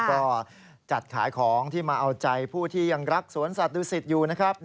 ก็จัดขายของที่มาเอาใจผู้ที่ยังรักสวนสัตว์ดูสิตอยู่นะครับ